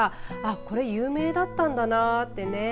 これ有名だったんだなってね